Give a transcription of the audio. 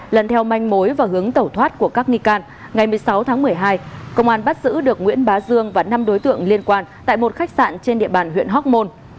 lần theo manh mối và hướng tẩu thoát của các nghi can ngày một mươi sáu tháng một mươi hai công an bắt giữ được nguyễn bá dương và năm đối tượng liên quan tại một khách sạn trên địa bàn huyện hóc môn